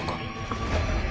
あっ。